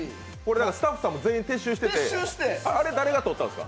スタッフさんも全員撤収してて、あれ誰が撮ってたんですか？